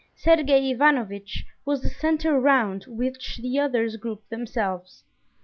Sergey Ivanovitch was the center round which the others grouped themselves.